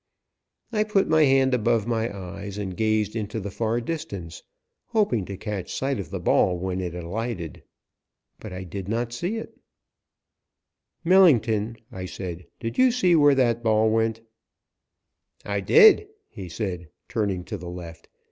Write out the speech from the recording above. I put my hand above my eyes and gazed into the far distance, hoping to catch sight of the ball when it alighted. But I did not see it. [Illustration: 205] "Millington," I said, "did you see where that ball went?" "I did," he said, turning to the left.